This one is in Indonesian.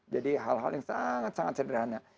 jadi hal hal yang sangat sangat sederhana